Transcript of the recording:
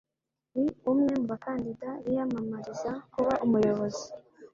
Ni umwe mu bakandida biyamamariza kuba umuyobozi.